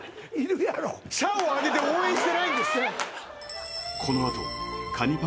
社をあげて応援してないんですよえっ！？